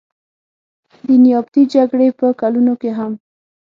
د نیابتي جګړې په کلونو کې هم.